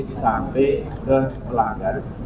pembangkit sampai ke pelanggan